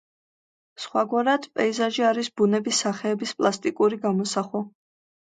სხვაგვარად, პეიზაჟი არის ბუნების სახეების პლასტიკური გამოსახვა.